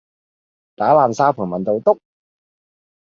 打爛沙盤問到篤